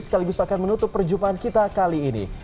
sekaligus akan menutup perjumpaan kita kali ini